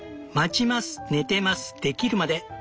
待ちます寝てますできるまで。